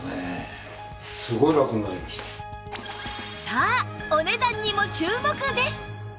さあお値段にも注目です！